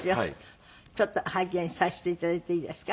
ちょっと拝見させて頂いていいですか？